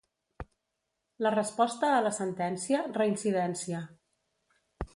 La resposta a la sentència, reincidència.